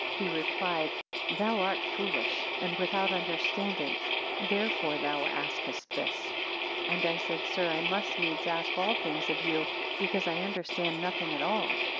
He replied, Thou art foolish, and without understanding, therefore thou asketh this. 137 And I said, sir, I must needs ask all things of you because I understand nothing at all.